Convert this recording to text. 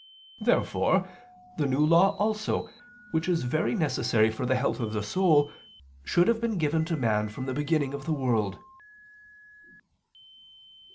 Therefore the New Law also, which is very necessary for the health of the soul, should have been given to man from the beginning of the world.